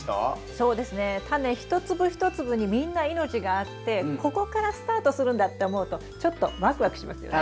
そうですねタネ一粒一粒にみんな命があってここからスタートするんだって思うとちょっとワクワクしますよね。